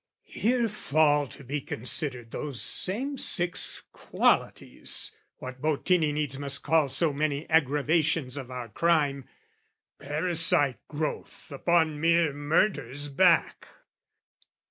Here fall to be considered those same six Qualities; what Bottini needs must call So many aggravations of our crime, Parasite growth upon mere murder's back.